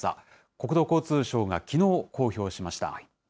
国土交通省がきのう公表しました。